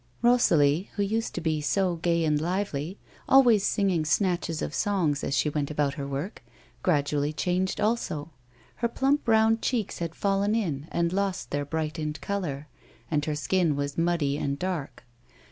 Rosalie who used to be so gay and lively, always singing snatches of songs as she went about her work, had gradually changed also. Her pkimp round cheeks had fallen in and lost their brightened colour, and her skin was muddy and dark.